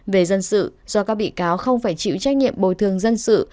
về dân sự do các bị cáo không phải chịu trách nhiệm bồi thường dân sự